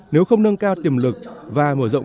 nếu không nâng cao tiềm lực và mở rộng